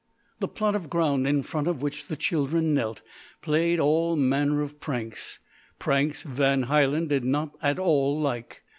The plot of ground in front of which the children knelt played all manner of pranks pranks Van Hielen did not at all like.